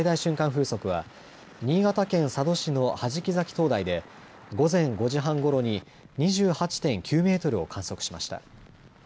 風速は、新潟県佐渡市の弾崎灯台で午前５時半ごろに２８．９メートルを観測しました。